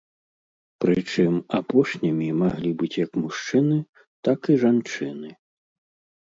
Прычым, апошнімі маглі быць як мужчыны, так і жанчыны.